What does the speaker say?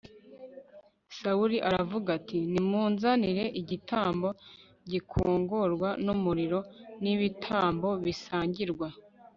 Sawuli aravuga ati nimunzanire igitambo gikongorwa n umuriro n ibitambo bisangirwa